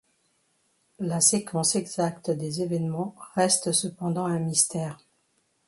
La séquence exacte des événements reste cependant un mystère.